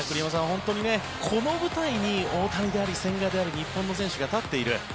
本当にこの舞台に大谷であり千賀であり日本の選手が立っている。